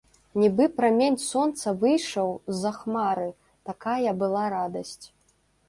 Нібы прамень сонца выйшаў з-за хмары, такая была радасць.